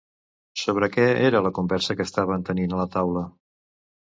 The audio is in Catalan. Sobre què era la conversa que estaven tenint a la taula?